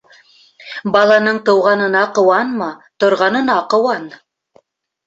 Баланың тыуғанына ҡыуанма, торғанына ҡыуан.